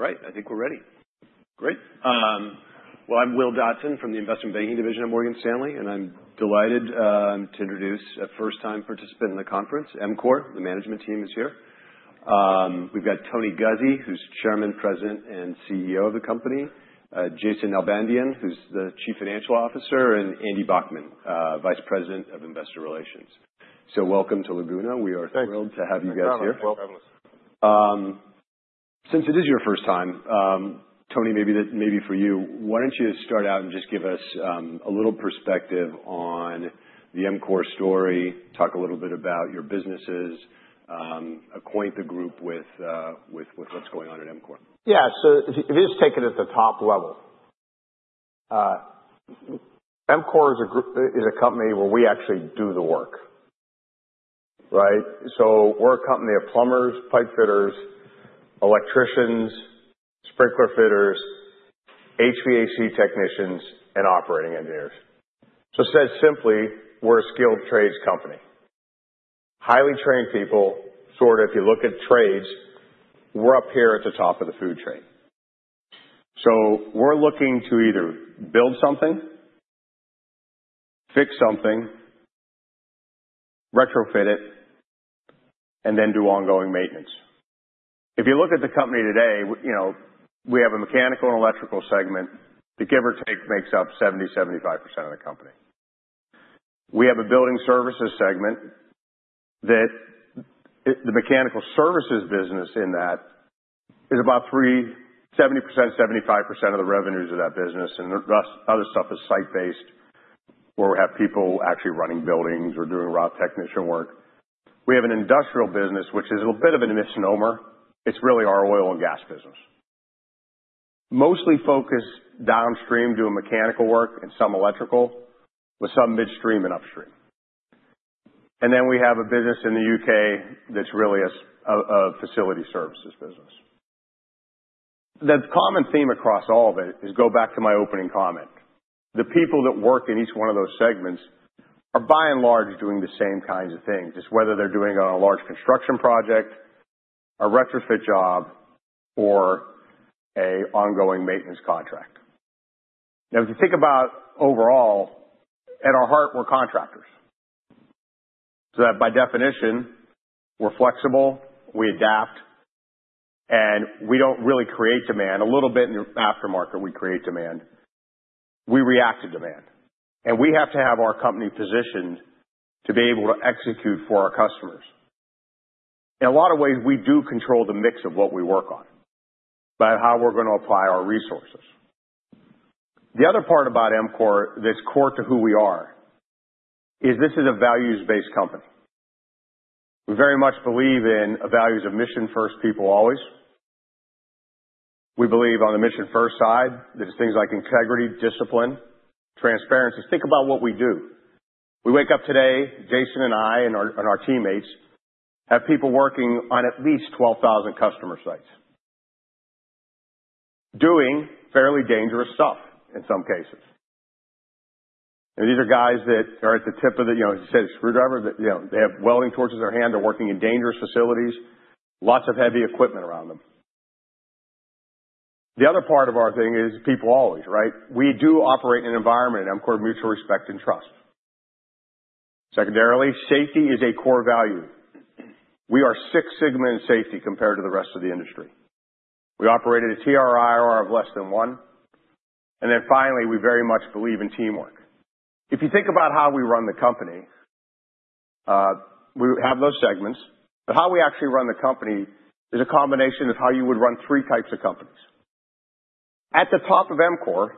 All right, I think we're ready. Great. I'm Will Dotson from the Investment Banking Division at Morgan Stanley, and I'm delighted to introduce a first-time participant in the conference, EMCOR, the management team is here. We've got Tony Guzzi, who's Chairman, President, and CEO of the company, Jason Nalbandian, who's the Chief Financial Officer, and Andy Backman, Vice President of Investor Relations. Welcome to Laguna. We are thrilled to have you guys here. Thank you. Since it is your first time, Tony, maybe for you, why don't you start out and just give us a little perspective on the EMCOR story, talk a little bit about your businesses, acquaint the group with what's going on at EMCOR. Yeah. So if you just take it at the top level, EMCOR is a company where we actually do the work. So we're a company of plumbers, pipe fitters, electricians, sprinkler fitters, HVAC technicians, and operating engineers. So said simply, we're a skilled trades company. Highly trained people, sort of if you look at trades, we're up here at the top of the food chain. So we're looking to either build something, fix something, retrofit it, and then do ongoing maintenance. If you look at the company today, we have a mechanical and electrical segment. Give or take, it makes up 70%-75% of the company. We have a building services segment that the mechanical services business in that is about 70%-75% of the revenues of that business, and the rest of the other stuff is site-based where we have people actually running buildings or doing raw technician work. We have an industrial business, which is a little bit of a misnomer. It's really our oil and gas business, mostly focused downstream doing mechanical work and some electrical, with some midstream and upstream, and then we have a business in the UK that's really a facility services business. The common theme across all of it is, go back to my opening comment, the people that work in each one of those segments are by and large doing the same kinds of things, just whether they're doing it on a large construction project, a retrofit job, or an ongoing maintenance contract. Now, if you think about overall, at our heart, we're contractors. So that by definition, we're flexible, we adapt, and we don't really create demand. A little bit in the aftermarket, we create demand. We react to demand. And we have to have our company positioned to be able to execute for our customers. In a lot of ways, we do control the mix of what we work on by how we're going to apply our resources. The other part about EMCOR that's core to who we are is this is a values-based company. We very much believe in values of mission-first people always. We believe on the mission-first side that it's things like integrity, discipline, transparency. Think about what we do. We wake up today, Jason and I and our teammates have people working on at least 12,000 customer sites, doing fairly dangerous stuff in some cases. These are guys that are at the tip of the, as you said, screwdriver. They have welding torches in their hand. They're working in dangerous facilities, lots of heavy equipment around them. The other part of our thing is people always. We do operate in an environment of mutual respect and trust. Secondarily, safety is a core value. We are Six Sigma in safety compared to the rest of the industry. We operate at a TRIR of less than one. And then finally, we very much believe in teamwork. If you think about how we run the company, we have those segments. But how we actually run the company is a combination of how you would run three types of companies. At the top of EMCOR,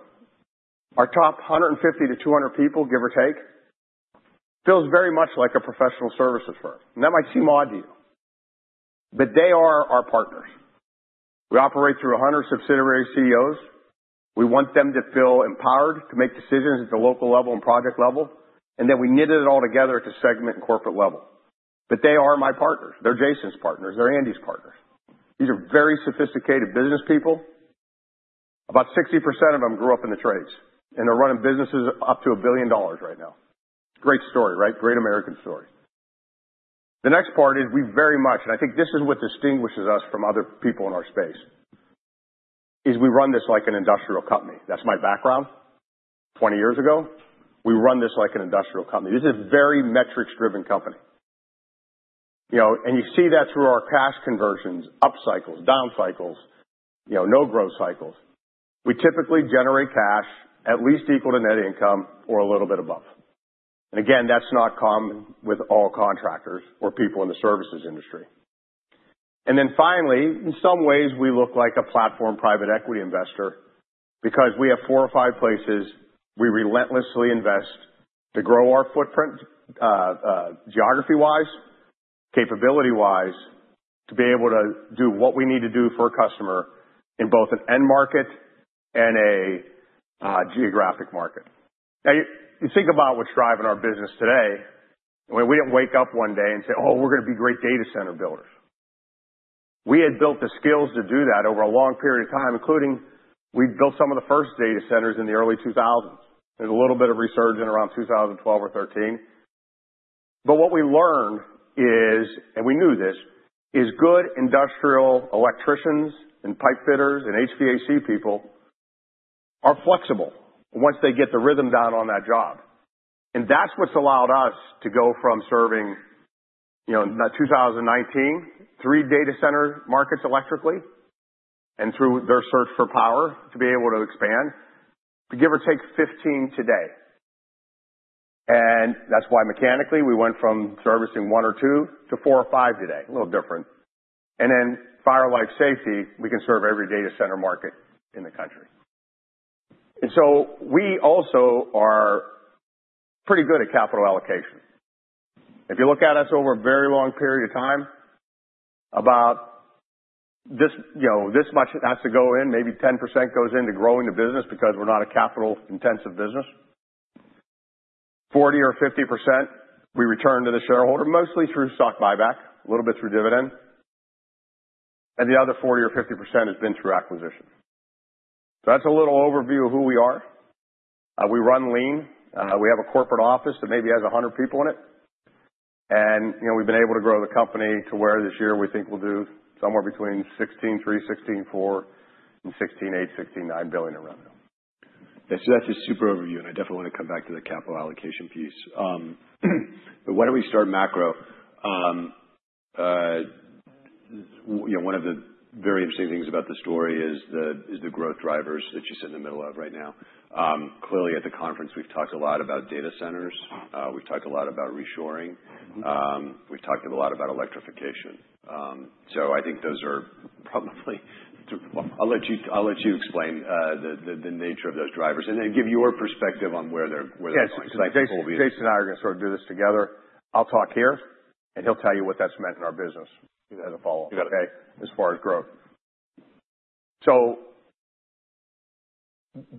our top 150-200 people, give or take, feels very much like a professional services firm. That might seem odd to you, but they are our partners. We operate through 100 subsidiary CEOs. We want them to feel empowered to make decisions at the local level and project level. Then we knit it all together at the segment and corporate level. They are my partners. They're Jason's partners. They're Andy's partners. These are very sophisticated business people. About 60% of them grew up in the trades, and they're running businesses up to a billion dollars right now. Great story, right? Great American story. The next part is we very much, and I think this is what distinguishes us from other people in our space, is we run this like an industrial company. That's my background. 20 years ago, we run this like an industrial company. This is a very metrics-driven company. And you see that through our cash conversions, up cycles, down cycles, no growth cycles. We typically generate cash at least equal to net income or a little bit above. And again, that's not common with all contractors or people in the services industry. And then finally, in some ways, we look like a platform private equity investor because we have four or five places we relentlessly invest to grow our footprint geography-wise, capability-wise, to be able to do what we need to do for a customer in both an end market and a geographic market. Now, you think about what's driving our business today. We didn't wake up one day and say, "Oh, we're going to be great data center builders." We had built the skills to do that over a long period of time, including we built some of the first data centers in the early 2000s. There's a little bit of resurgence around 2012 or 2013. But what we learned is, and we knew this, is good industrial electricians and pipe fitters and HVAC people are flexible once they get the rhythm down on that job. And that's what's allowed us to go from serving in 2019, three data center markets electrically and through their search for power to be able to expand, to give or take 15 today. And that's why mechanically we went from servicing one or two to four or five today. A little different. And then fire life safety, we can serve every data center market in the country. And so we also are pretty good at capital allocation. If you look at us over a very long period of time, about this much has to go in, maybe 10% goes into growing the business because we're not a capital-intensive business. 40% or 50%, we return to the shareholder, mostly through stock buyback, a little bit through dividend. And the other 40% or 50% has been through acquisition. So that's a little overview of who we are. We run lean. We have a corporate office that maybe has 100 people in it. And we've been able to grow the company to where this year we think we'll do somewhere between $16.3-16.4 billion and $16.8-16.9 billion in revenue. So that's a super overview, and I definitely want to come back to the capital allocation piece. But why don't we start macro? One of the very interesting things about the story is the growth drivers that you sit in the middle of right now. Clearly, at the conference, we've talked a lot about data centers. We've talked a lot about reshoring. We've talked a lot about electrification. So I think those are probably. I'll let you explain the nature of those drivers and then give your perspective on where they're going. Jason and I are going to sort of do this together. I'll talk here, and he'll tell you what that's meant in our business as a follow-up, okay, as far as growth. So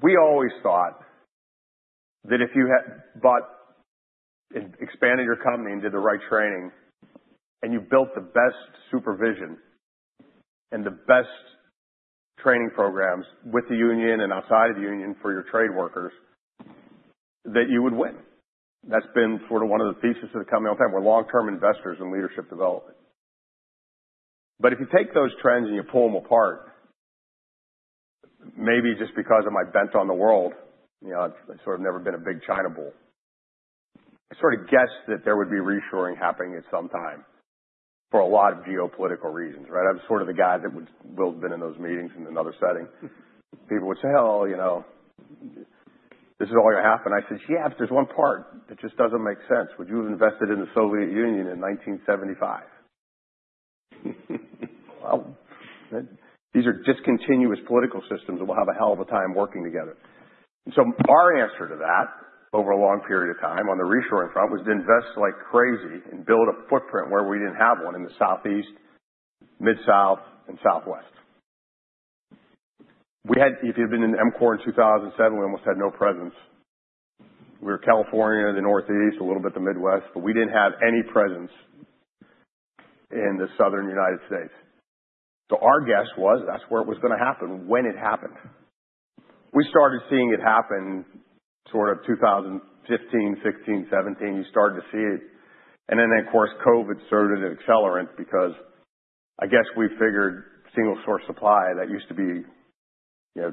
we always thought that if you bought and expanded your company and did the right training and you built the best supervision and the best training programs with the union and outside of the union for your trade workers, that you would win. That's been sort of one of the theses of the company all the time. We're long-term investors in leadership development. But if you take those trends and you pull them apart, maybe just because of my bent on the world, I've sort of never been a big China bull. I sort of guess that there would be reshoring happening at some time for a lot of geopolitical reasons. I'm sort of the guy that will have been in those meetings in another setting. People would say, "Oh, this is all going to happen." I said, "Yeah, but there's one part that just doesn't make sense. Would you have invested in the Soviet Union in 1975?" Well, these are discontinuous political systems that will have a hell of a time working together. So our answer to that over a long period of time on the reshoring front was to invest like crazy and build a footprint where we didn't have one in the Southeast, Mid-South, and Southwest. If you had been in EMCOR in 2007, we almost had no presence. We were California, the Northeast, a little bit the Midwest, but we didn't have any presence in the Southern United States. So our guess was that's where it was going to happen when it happened. We started seeing it happen sort of 2015, 2016, 2017. You started to see it. And then, of course, COVID acted as an accelerant because I guess we figured single source supply that used to be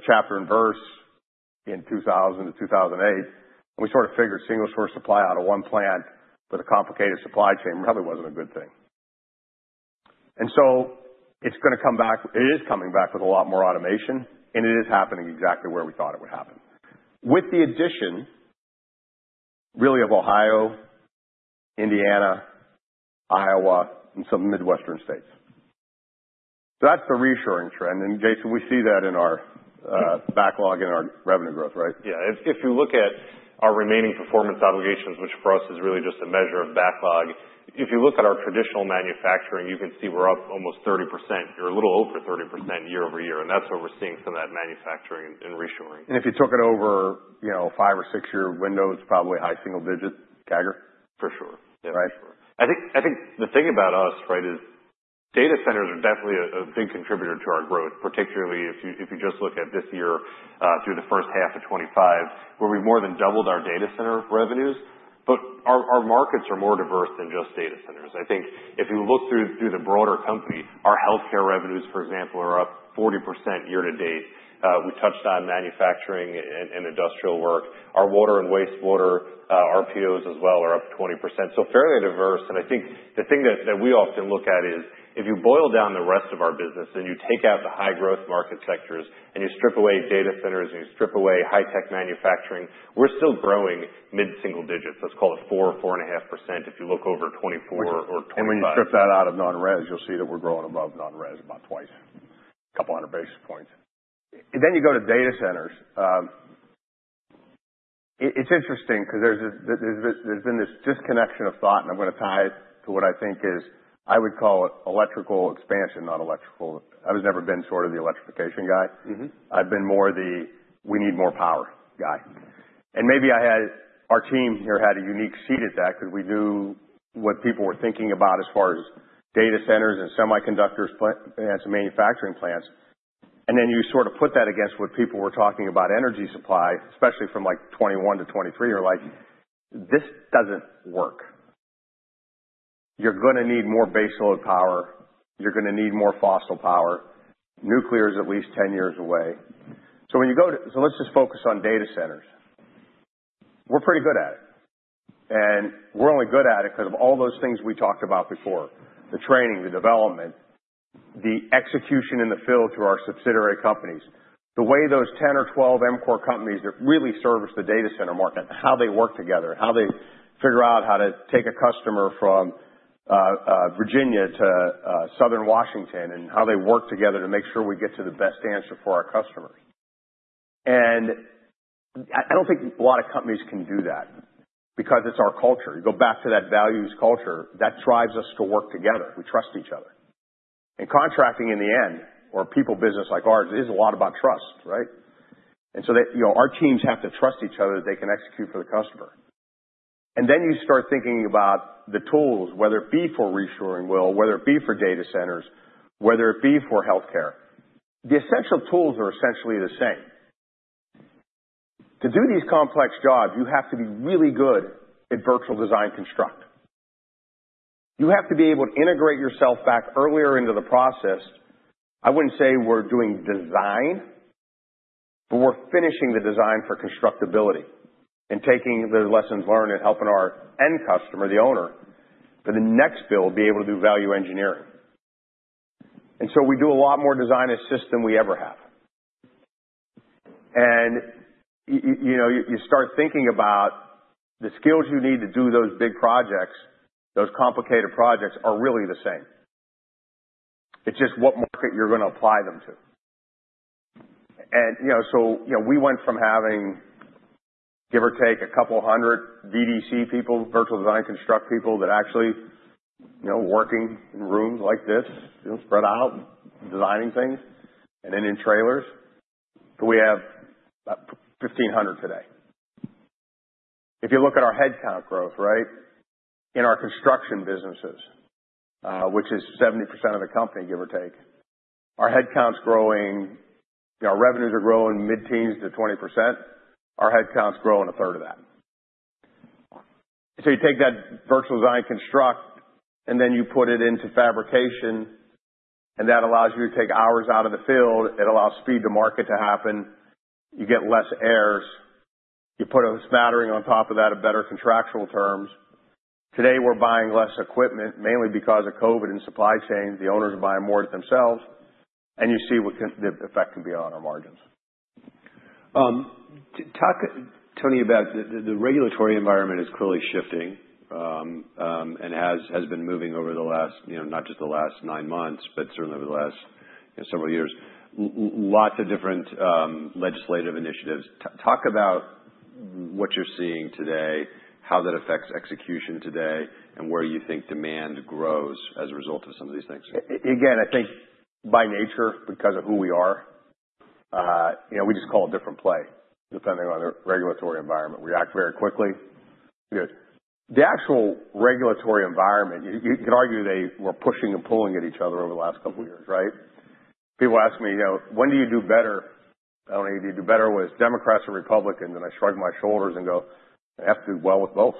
chapter and verse in 2000 to 2008. We sort of figured single source supply out of one plant with a complicated supply chain really wasn't a good thing. And so it's going to come back. It is coming back with a lot more automation, and it is happening exactly where we thought it would happen, with the addition really of Ohio, Indiana, Iowa, and some midwestern states. So that's the reshoring trend. And Jason, we see that in our backlog in our revenue growth, right? Yeah. If you look at our remaining performance obligations, which for us is really just a measure of backlog, if you look at our traditional manufacturing, you can see we're up almost 30%. You're a little over 30% year-over-year. And that's where we're seeing some of that manufacturing and reshoring. If you took it over a five or six-year window, it's probably a high single-digit CAGR. For sure. Right? I think the thing about us, right, is data centers are definitely a big contributor to our growth, particularly if you just look at this year through the first half of 2025, where we've more than doubled our data center revenues. But our markets are more diverse than just data centers. I think if you look through the broader companies, our healthcare revenues, for example, are up 40% year to date. We touched on manufacturing and industrial work. Our water and wastewater RPOs, as well, are up 20%. So fairly diverse. And I think the thing that we often look at is if you boil down the rest of our business and you take out the high-growth market sectors and you strip away data centers and you strip away high-tech manufacturing, we're still growing mid-single digits. Let's call it 4-4.5% if you look over 2024 or 2025. And when you strip that out of non-rez, you'll see that we're growing above non-rez about twice, a couple hundred basis points. Then you go to data centers. It's interesting because there's been this disconnection of thought, and I'm going to tie it to what I think is I would call it electrical expansion, not electrical. I've never been sort of the electrification guy. I've been more the, "We need more power," guy. And maybe our team here had a unique seat at that because we knew what people were thinking about as far as data centers and semiconductor plants and manufacturing plants. And then you sort of put that against what people were talking about energy supply, especially from 2021 to 2023, you're like, "This doesn't work. You're going to need more baseload power. You're going to need more fossil power. Nuclear is at least 10 years away," so let's just focus on data centers. We're pretty good at it, and we're only good at it because of all those things we talked about before: the training, the development, the execution in the field to our subsidiary companies, the way those 10 or 12 EMCOR companies that really service the data center market, how they work together, how they figure out how to take a customer from Virginia to southern Washington, and how they work together to make sure we get to the best answer for our customers, and I don't think a lot of companies can do that because it's our culture. You go back to that values culture. That drives us to work together. We trust each other. Contracting in the end, or a people business like ours, is a lot about trust, right? So our teams have to trust each other that they can execute for the customer. Then you start thinking about the tools, whether it be for reshoring, well, whether it be for data centers, whether it be for healthcare. The essential tools are essentially the same. To do these complex jobs, you have to be really good at virtual design and construction. You have to be able to integrate yourself back earlier into the process. I wouldn't say we're doing design, but we're finishing the design for constructability and taking the lessons learned and helping our end customer, the owner, for the next build be able to do value engineering. So we do a lot more design assist than we ever have. And you start thinking about the skills you need to do those big projects, those complicated projects are really the same. It's just what market you're going to apply them to. And so we went from having, give or take, a couple hundred VDC people, virtual design and construction people that actually are working in rooms like this, spread out, designing things, and then in trailers. But we have about 1,500 today. If you look at our headcount growth, right, in our construction businesses, which is 70% of the company, give or take, our headcount's growing. Our revenues are growing mid-teens to 20%. Our headcount's growing a third of that. So you take that virtual design and construction, and then you put it into fabrication, and that allows you to take hours out of the field. It allows speed to market to happen. You get less errors. You put a smattering on top of that of better contractual terms. Today, we're buying less equipment, mainly because of COVID and supply chains. The owners are buying more to themselves, and you see what the effect can be on our margins. Talk to me about the regulatory environment is clearly shifting and has been moving over the last, not just the last nine months, but certainly over the last several years. Lots of different legislative initiatives. Talk about what you're seeing today, how that affects execution today, and where you think demand grows as a result of some of these things. Again, I think by nature, because of who we are, we just call a different play depending on the regulatory environment. We act very quickly. The actual regulatory environment, you can argue they were pushing and pulling at each other over the last couple of years, right? People ask me, "When do you do better?" I don't know. You do better with Democrats or Republicans, and I shrug my shoulders and go, "I have to do well with both."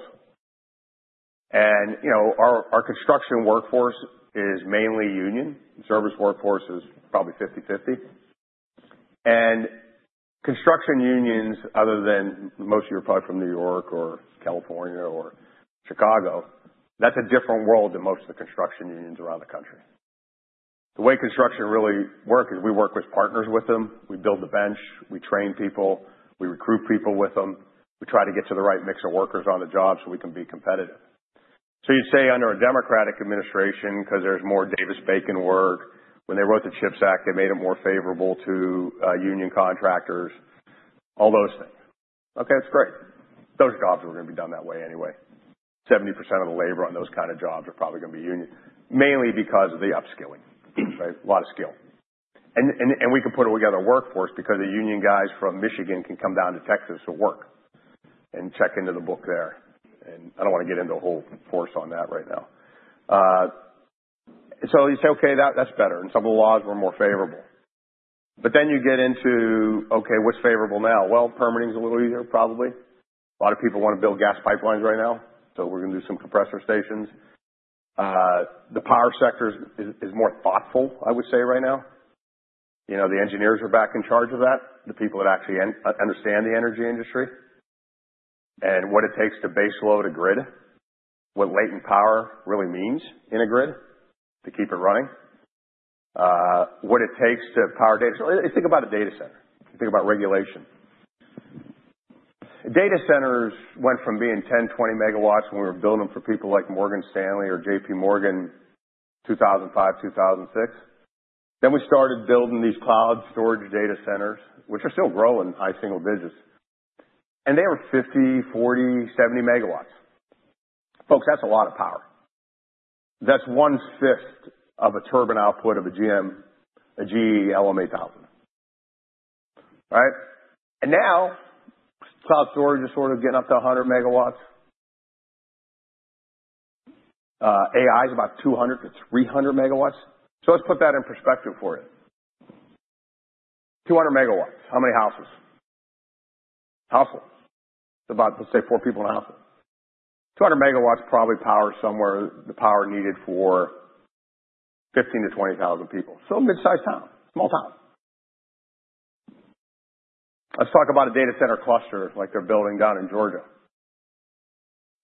And our construction workforce is mainly union. Service workforce is probably 50/50. And construction unions, other than most of you are probably from New York or California or Chicago, that's a different world than most of the construction unions around the country. The way construction really works is we work with partners with them. We build the bench. We train people. We recruit people with them. We try to get to the right mix of workers on the job so we can be competitive. So you'd say under a Democratic administration, because there's more Davis-Bacon work, when they wrote the CHIPS Act, they made it more favorable to union contractors, all those things. Okay, that's great. Those jobs are going to be done that way anyway. 70% of the labor on those kinds of jobs are probably going to be union, mainly because of the upskilling, right? A lot of skill. And we can put together a workforce because the union guys from Michigan can come down to Texas to work and check into the book there. And I don't want to get into a whole foray on that right now. So you say, "Okay, that's better." And some of the laws were more favorable. But then you get into, "Okay, what's favorable now?" Well, permitting is a little easier, probably. A lot of people want to build gas pipelines right now. So we're going to do some compressor stations. The power sector is more thoughtful, I would say, right now. The engineers are back in charge of that, the people that actually understand the energy industry and what it takes to baseload a grid, what latent power really means in a grid to keep it running, what it takes to power data. So think about a data center. Think about regulation. Data centers went from being 10, 20 megawatts when we were building them for people like Morgan Stanley or JPMorgan, 2005, 2006. Then we started building these cloud storage data centers, which are still growing high single digits. And they were 50, 40, 70 megawatts. Folks, that's a lot of power. That's one-fifth of a turbine output of a GM, a GE LM8000, right? And now cloud storage is sort of getting up to 100 megawatts. AI is about 200-300 megawatts. So let's put that in perspective for you. 200 megawatts, how many houses? Households. It's about, let's say, four people in a household. 200 megawatts probably powers somewhere the power needed for 15-20 thousand people. So a mid-sized town, small town. Let's talk about a data center cluster like they're building down in Georgia.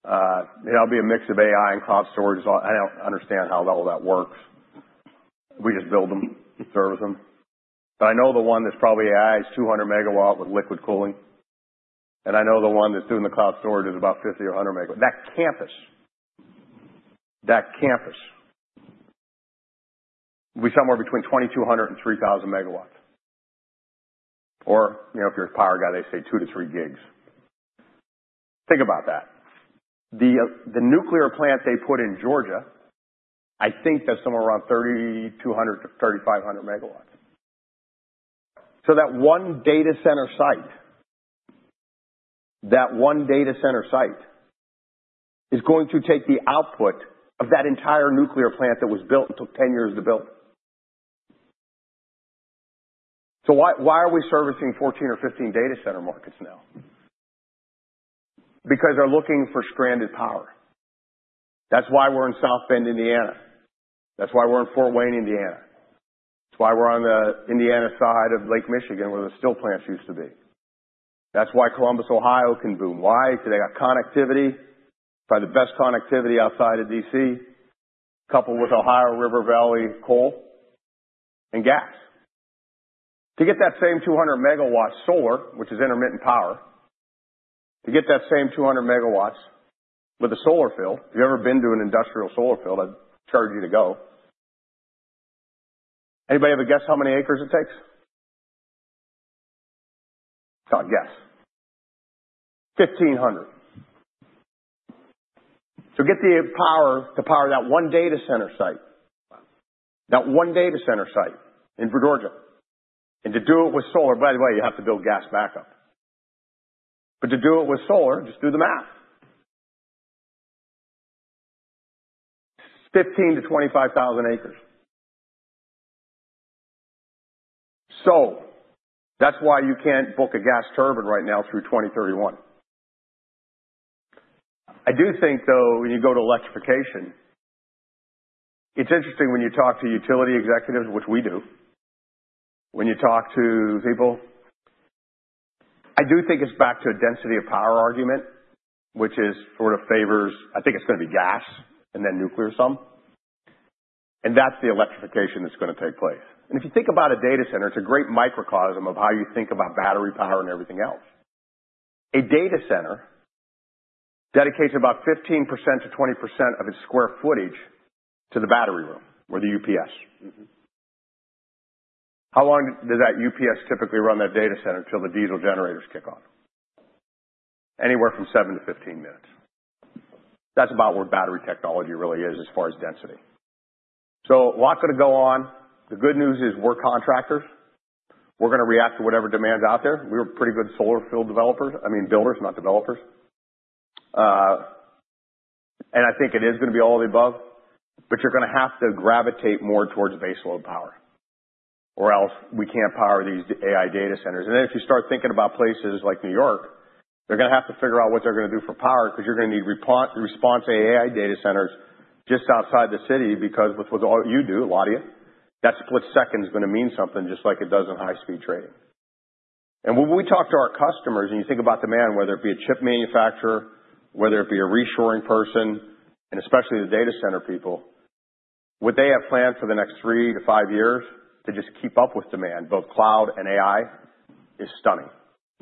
It'll be a mix of AI and cloud storage. I don't understand how all that works. We just build them and service them. But I know the one that's probably AI is 200 megawatt with liquid cooling. And I know the one that's doing the cloud storage is about 50 or 100 megawatt. That campus, that campus, will be somewhere between 2,200 and 3,000 megawatts. Or if you're a power guy, they say 2-3 gigs. Think about that. The nuclear plant they put in Georgia, I think that's somewhere around 3,200-3,500 megawatts. So that one data center site, that one data center site is going to take the output of that entire nuclear plant that was built and took 10 years to build. So why are we servicing 14 or 15 data center markets now? Because they're looking for stranded power. That's why we're in South Bend, Indiana. That's why we're in Fort Wayne, Indiana. That's why we're on the Indiana side of Lake Michigan where the steel plants used to be. That's why Columbus, Ohio can boom. Why? Because they got connectivity, probably the best connectivity outside of DC, coupled with Ohio River Valley coal and gas. To get that same 200 megawatts solar, which is intermittent power, to get that same 200 megawatts with a solar field, if you've ever been to an industrial solar field, I'd charge you to go. Anybody have a guess how many acres it takes? It's not a guess. 1,500. To get the power to power that one data center site, that one data center site in Georgia, and to do it with solar, by the way, you have to build gas backup. But to do it with solar, just do the math. 15-25 thousand acres. So that's why you can't book a gas turbine right now through 2031. I do think, though, when you go to electrification, it's interesting when you talk to utility executives, which we do, when you talk to people. I do think it's back to a density of power argument, which sort of favors, I think it's going to be gas and then nuclear some. And that's the electrification that's going to take place. And if you think about a data center, it's a great microcosm of how you think about battery power and everything else. A data center dedicates about 15%-20% of its square footage to the battery room or the UPS. How long does that UPS typically run that data center until the diesel generators kick off? Anywhere from 7-15 minutes. That's about where battery technology really is as far as density. So a lot could have gone on. The good news is we're contractors. We're going to react to whatever demand's out there. We were pretty good solar field developers. I mean, builders, not developers, and I think it is going to be all of the above, but you're going to have to gravitate more towards baseload power or else we can't power these AI data centers, and then if you start thinking about places like New York, they're going to have to figure out what they're going to do for power because you're going to need response AI data centers just outside the city because with what you do, latency, that split second is going to mean something just like it does in high-speed trading. And when we talk to our customers, and you think about demand, whether it be a chip manufacturer, whether it be a reshoring person, and especially the data center people, what they have planned for the next three to five years to just keep up with demand, both cloud and AI, is stunning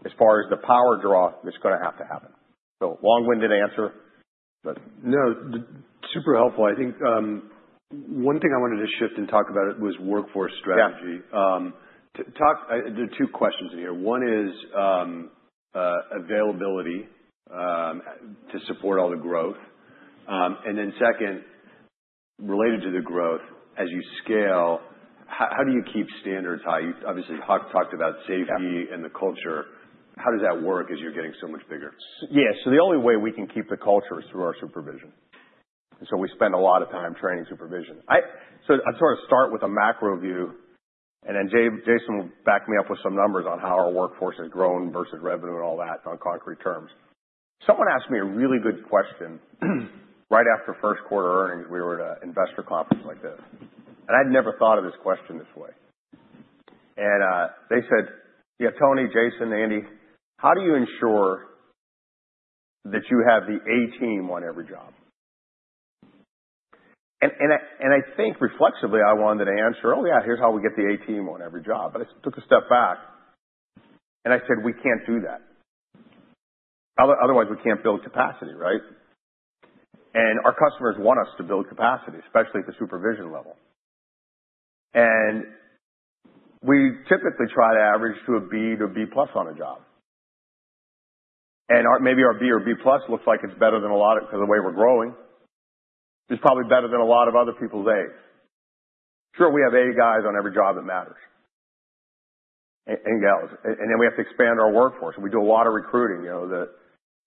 as far as the power draw that's going to have to happen. So long-winded answer, but. No, super helpful. I think one thing I wanted to shift and talk about was workforce strategy. There are two questions in here. One is availability to support all the growth. And then second, related to the growth, as you scale, how do you keep standards high? Obviously, Huck talked about safety and the culture. How does that work as you're getting so much bigger? Yeah. So the only way we can keep the culture is through our supervision. And so we spend a lot of time training supervision. So I sort of start with a macro view, and then Jason will back me up with some numbers on how our workforce has grown versus revenue and all that on concrete terms. Someone asked me a really good question right after first quarter earnings. We were at an investor conference like this. And I'd never thought of this question this way. And they said, "Yeah, Tony, Jason, Andy, how do you ensure that you have the A team on every job?" And I think reflexively, I wanted to answer, "Oh yeah, here's how we get the A team on every job." But I took a step back and I said, "We can't do that. Otherwise, we can't build capacity, right?" And our customers want us to build capacity, especially at the supervision level. And we typically try to average to a B to a B plus on a job. And maybe our B or B plus looks like it's better than a lot of because of the way we're growing, it's probably better than a lot of other people's As. Sure, we have A guys on every job that matters and gals. And then we have to expand our workforce. We do a lot of recruiting. The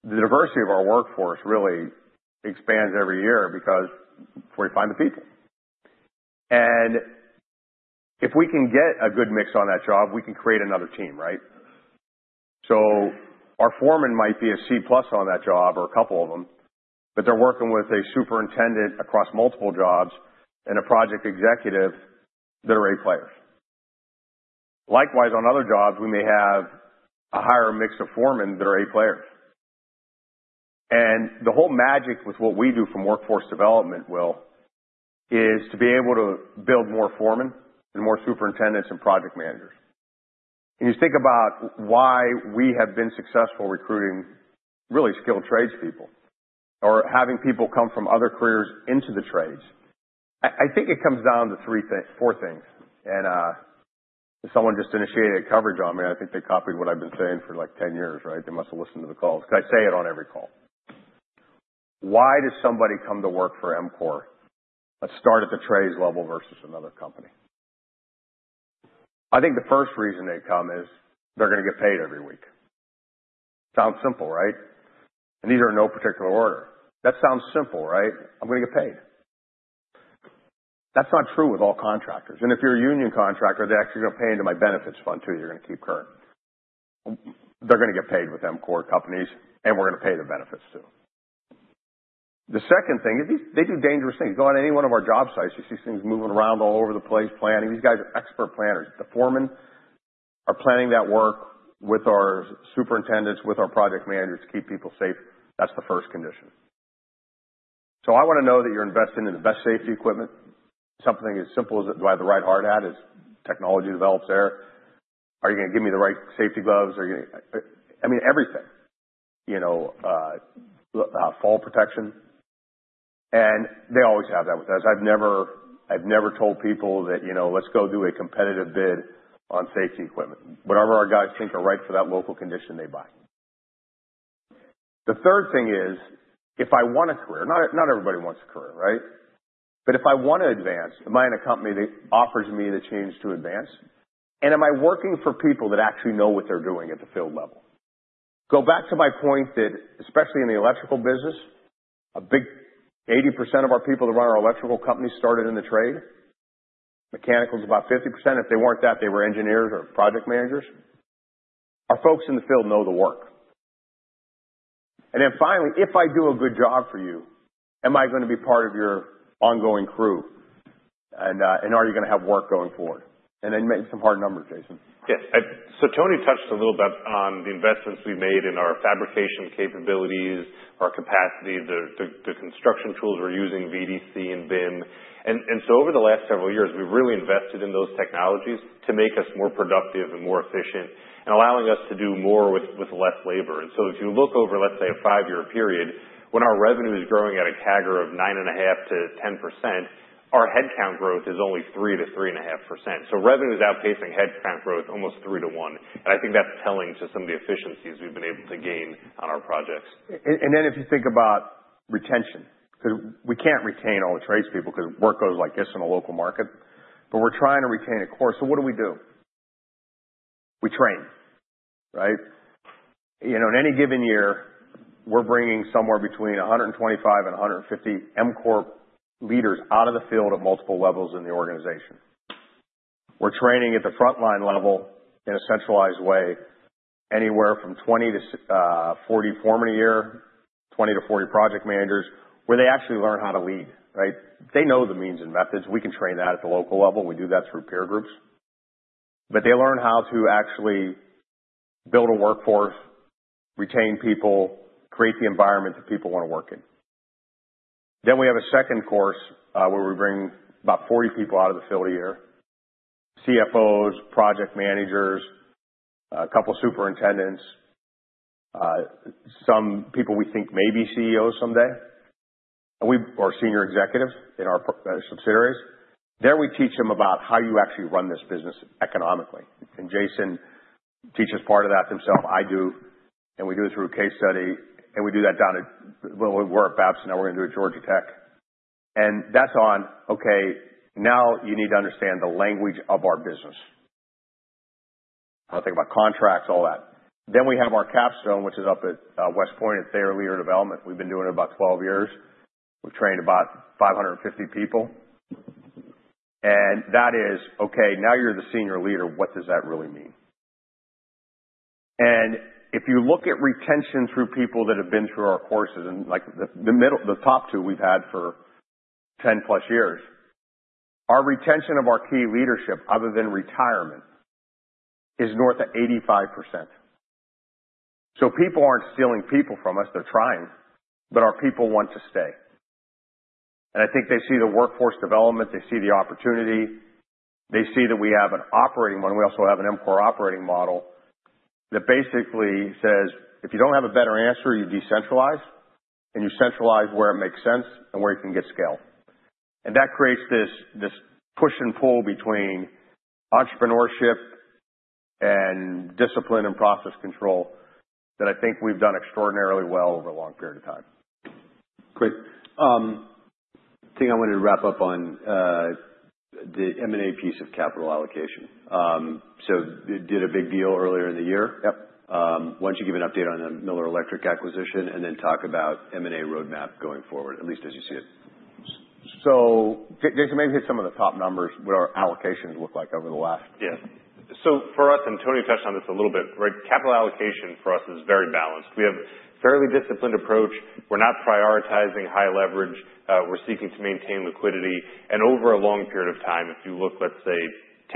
diversity of our workforce really expands every year because we find the people. And if we can get a good mix on that job, we can create another team, right? So our foreman might be a C plus on that job or a couple of them, but they're working with a superintendent across multiple jobs and a project executive that are A players. Likewise, on other jobs, we may have a higher mix of foremen that are A players. And the whole magic with what we do from workforce development is to be able to build more foremen and more superintendents and project managers. And you think about why we have been successful recruiting really skilled tradespeople or having people come from other careers into the trades. I think it comes down to four things. And someone just initiated a coverage on me. I think they copied what I've been saying for like 10 years, right? They must have listened to the calls because I say it on every call. Why does somebody come to work for EMCOR? Let's start at the trades level versus another company. I think the first reason they come is they're going to get paid every week. Sounds simple, right, and these are in no particular order. That sounds simple, right? I'm going to get paid. That's not true with all contractors, and if you're a union contractor, they're actually going to pay into my benefits fund too. You're going to keep current. They're going to get paid with EMCOR companies, and we're going to pay the benefits too. The second thing is they do dangerous things. Go on any one of our job sites. You see things moving around all over the place planning. These guys are expert planners. The foremen are planning that work with our superintendents, with our project managers to keep people safe. That's the first condition. So I want to know that you're investing in the best safety equipment. Something as simple as buying the right hard hat as technology develops there. Are you going to give me the right safety gloves? I mean, everything. Fall protection, and they always have that with us. I've never told people that, "Let's go do a competitive bid on safety equipment." Whatever our guys think are right for that local conditions, they buy. The third thing is, if I want a career, not everybody wants a career, right, but if I want to advance, am I in a company that offers me the chance to advance, and am I working for people that actually know what they're doing at the field level? Go back to my point that, especially in the electrical business, a big 80% of our people that run our electrical company started in the trade. Mechanical is about 50%. If they weren't that, they were engineers or project managers. Our folks in the field know the work. And then finally, if I do a good job for you, am I going to be part of your ongoing crew? And are you going to have work going forward? And then maybe some hard numbers, Jason. Yes, so Tony touched a little bit on the investments we made in our fabrication capabilities, our capacity, the construction tools we're using, VDC and BIM, and so over the last several years, we've really invested in those technologies to make us more productive and more efficient and allowing us to do more with less labor, and so if you look over, let's say, a five-year period, when our revenue is growing at a CAGR of 9.5%-10%, our headcount growth is only 3%-3.5%, so revenue is outpacing headcount growth almost 3 to 1, and I think that's telling to some of the efficiencies we've been able to gain on our projects. And then, if you think about retention, because we can't retain all the tradespeople because work goes like this in a local market, but we're trying to retain a core. So what do we do? We train, right? In any given year, we're bringing somewhere between 125 and 150 EMCOR leaders out of the field at multiple levels in the organization. We're training at the frontline level in a centralized way, anywhere from 20-40 foremen a year, 20-40 project managers, where they actually learn how to lead, right? They know the means and methods. We can train that at the local level. We do that through peer groups. But they learn how to actually build a workforce, retain people, create the environment that people want to work in. Then we have a second course where we bring about 40 people out of the field a year: CFOs, project managers, a couple of superintendents, some people we think may be CEOs someday, or senior executives in our subsidiaries. There we teach them about how you actually run this business economically. And Jason teaches part of that himself. I do. And we do it through a case study. And we do that down at Wilmer Wehrbach. Now we're going to do it at Georgia Tech. And that's on, okay, now you need to understand the language of our business. I think about contracts, all that. Then we have our capstone, which is up at West Point at Thayer Leadership. We've been doing it about 12 years. We've trained about 550 people. And that is, okay, now you're the senior leader. What does that really mean? And if you look at retention through people that have been through our courses, and the top two we've had for 10 plus years, our retention of our key leadership, other than retirement, is north of 85%. So people aren't stealing people from us. They're trying, but our people want to stay. And I think they see the workforce development. They see the opportunity. They see that we have an operating one. We also have an EMCOR operating model that basically says, if you don't have a better answer, you decentralize, and you centralize where it makes sense and where you can get scale. And that creates this push and pull between entrepreneurship and discipline and process control that I think we've done extraordinarily well over a long period of time. Great. I think I wanted to wrap up on the M&A piece of capital allocation. So did a big deal earlier in the year. Yep. Why don't you give an update on the Miller Electric acquisition and then talk about M&A roadmap going forward, at least as you see it? So Jason, maybe hit some of the top numbers, what our allocations look like over the last. Yeah, so for us, and Tony touched on this a little bit, right? Capital allocation for us is very balanced. We have a fairly disciplined approach. We're not prioritizing high leverage. We're seeking to maintain liquidity. And over a long period of time, if you look, let's say,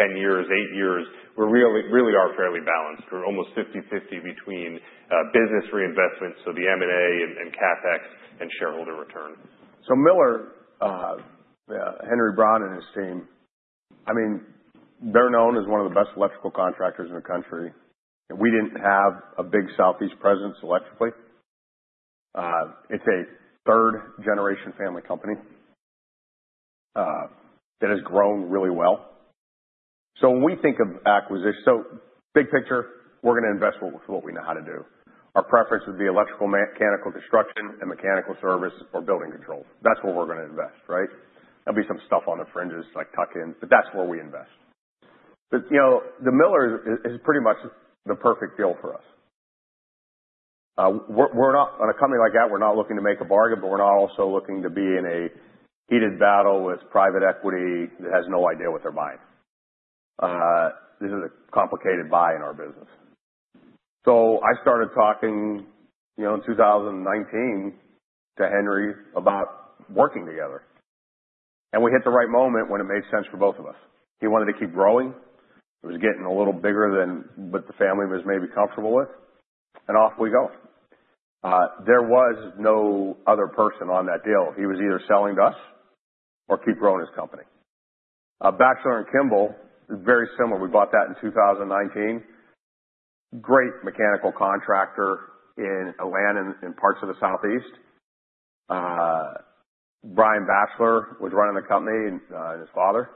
10 years, eight years, we really are fairly balanced. We're almost 50/50 between business reinvestment, so the M&A and CapEx and shareholder return. Miller, Henry Brown, and his team, I mean, they're known as one of the best electrical contractors in the country. We didn't have a big Southeast presence electrically. It's a third-generation family company that has grown really well. So when we think of acquisition, so big picture, we're going to invest with what we know how to do. Our preference would be electrical mechanical construction and mechanical service or building control. That's where we're going to invest, right? There'll be some stuff on the fringes like tuck-ins, but that's where we invest. But the Miller is pretty much the perfect deal for us. On a company like that, we're not looking to make a bargain, but we're not also looking to be in a heated battle with private equity that has no idea what they're buying. This is a complicated buy in our business. So I started talking in 2019 to Henry about working together. And we hit the right moment when it made sense for both of us. He wanted to keep growing. It was getting a little bigger than what the family was maybe comfortable with. And off we go. There was no other person on that deal. He was either selling to us or keep growing his company. Batchelor and Kimball, very similar. We bought that in 2019. Great mechanical contractor in Atlanta in parts of the Southeast. Brian Batchelor was running the company and his father.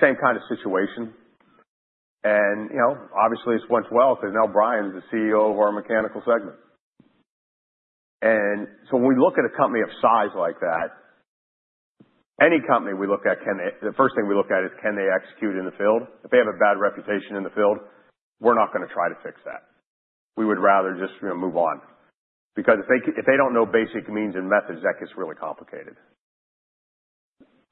Same kind of situation. And obviously, it's went well because now Brian's the CEO of our mechanical segment. And so when we look at a company of size like that, any company we look at, the first thing we look at is can they execute in the field? If they have a bad reputation in the field, we're not going to try to fix that. We would rather just move on. Because if they don't know basic means and methods, that gets really complicated.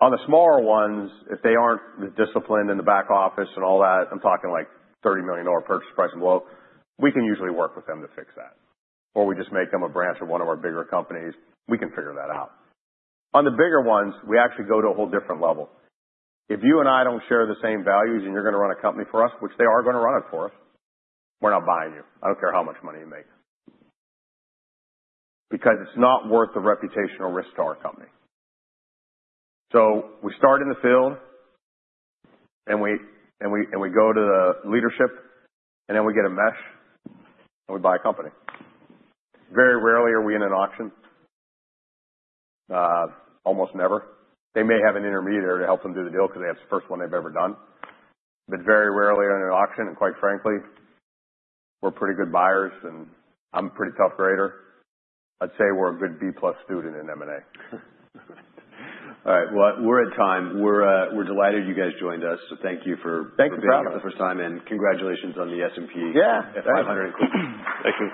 On the smaller ones, if they aren't disciplined in the back office and all that, I'm talking like $30 million purchase price and below, we can usually work with them to fix that. Or we just make them a branch of one of our bigger companies. We can figure that out. On the bigger ones, we actually go to a whole different level. If you and I don't share the same values and you're going to run a company for us, which they are going to run it for us, we're not buying you. I don't care how much money you make. Because it's not worth the reputational risk to our company. So we start in the field, and we go to the leadership, and then we get a match, and we buy a company. Very rarely are we in an auction. Almost never. They may have an intermediary to help them do the deal because that's the first one they've ever done. But very rarely are we in an auction. And quite frankly, we're pretty good buyers, and I'm a pretty tough grader. I'd say we're a good B plus student in M&A. All right. Well, we're at time. We're delighted you guys joined us. So thank you for being here for the first time. And congratulations on the S&P 500. Yeah. Thanks.